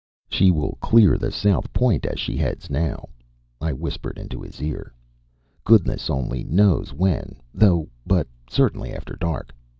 "She will clear the south point as she heads now," I whispered into his ear. "Goodness only knows when, though, but certainly after dark.